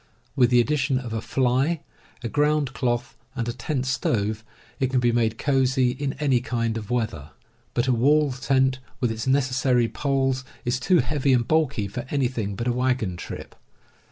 With the addition of a fly, a ground cloth, and a tent stove, it can be made cosy in any kind of weather. But a wall tent, with its necessary poles, is too heavy and bulky for anything but a wagon trip.